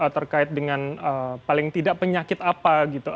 terkait dengan paling tidak penyakit apa gitu